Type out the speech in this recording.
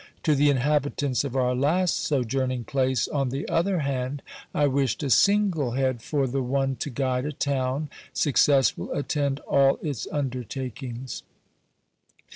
To the inhabitants of our last sojourning place, on the other hand, I wished a 'single head,' for the one to guide a town, success will attend all its undertakings.